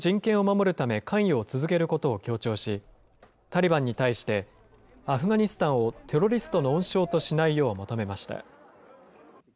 そして女性や子どもの人権を守るため関与を続けることを強調し、タリバンに対して、アフガニスタンをテロリストの温床としないよう求めました。